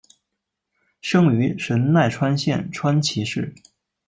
生于神奈川县川崎市。